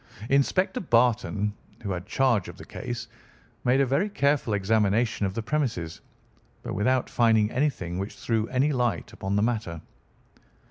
Inspector Barton, who had charge of the case, made a very careful examination of the premises, but without finding anything which threw any light upon the matter.